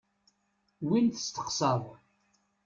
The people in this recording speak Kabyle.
Win testeqsaḍ.